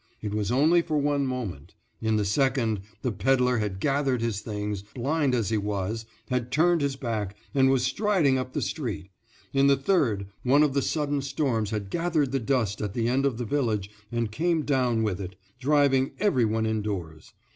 It was only for one moment; in the second, the pedler had gathered his things, blind as he was, had turned his back, and was striding up the street; in the third, one of the sudden storms had gathered the dust at the end of the village and came down with it, driving every one indoors.